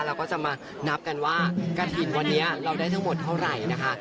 เราก็จะมานับกันว่ากระถิ่นวันนี้เราได้ทั้งหมดเท่าไหร่นะคะ